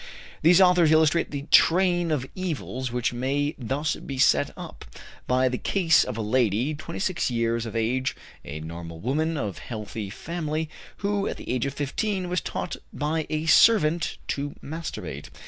These authors illustrate the train of evils which may thus be set up, by the case of a lady, 26 years of age, a normal woman, of healthy family, who, at the age of 15, was taught by a servant to masturbate.